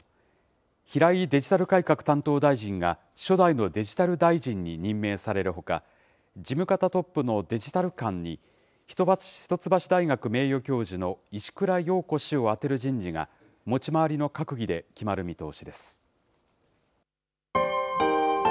平井デジタル改革担当大臣が初代のデジタル大臣に任命されるほか、事務方トップのデジタル監に、一橋大学名誉教授の石倉洋子氏を充てる人事が、持ち回りの閣議で決まる見通しです。